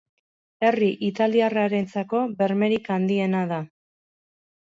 Herri italiarrarentzako bermerik handiena da.